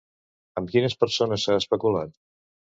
Amb quines persones s'ha especulat?